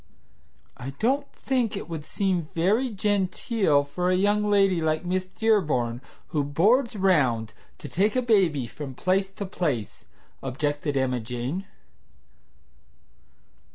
"I don't think it would seem very genteel for a young lady like Miss Dearborn, who 'boards round,' to take a baby from place to place," objected Emma Jane.